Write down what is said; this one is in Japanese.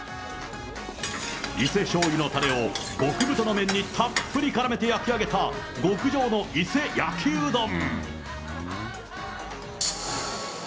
伊勢しょうゆのたれを極太の麺にたっぷりからめて焼き上げた極上の伊勢焼きうどん。